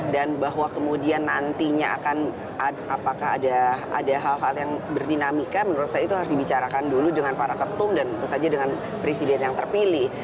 dan bahwa kemudian nantinya akan apakah ada hal hal yang berdinamika menurut saya itu harus dibicarakan dulu dengan para ketum dan tentu saja dengan presiden yang terpilih